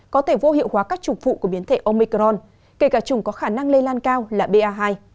có thể vô hiệu hóa các chủng vụ của biến thể omicron kể cả chủng có khả năng lây lan cao là ba hai